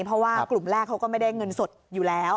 เพราะว่ากลุ่มแรกเขาก็ไม่ได้เงินสดอยู่แล้ว